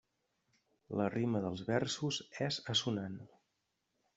La rima dels versos és assonant.